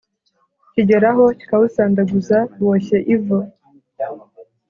Kigeraho kikawusandaguza boshye ivu.